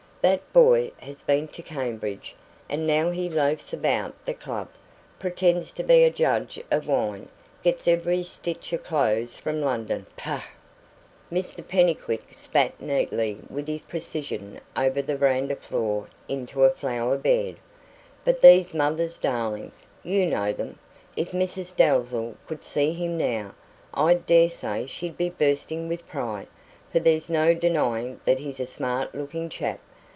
That boy has been to Cambridge, and now he loafs about the club, pretends to be a judge of wine, gets every stitch of clothes from London pah!" Mr Pennycuick spat neatly and with precision over the verandah floor into a flower bed. "But these mother's darlings you know them. If Mrs Dalzell could see him now, I daresay she'd be bursting with pride, for there's no denying that he's a smart looking chap.